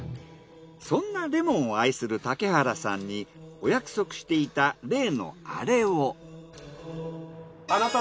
そんなレモンを愛する竹原さんにお約束していた例のアレを。